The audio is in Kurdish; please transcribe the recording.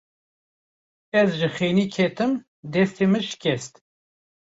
Ez ji xênî ketim, destê min şikest.